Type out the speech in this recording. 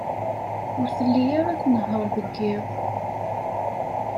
Ur telli ara tnehheṛ deg yiḍ.